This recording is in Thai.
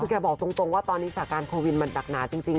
แกบอกตรงว่าตอนนี้สาการโควิดมันหนักหนาจริง